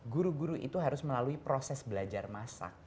guru guru itu harus melalui proses belajar masak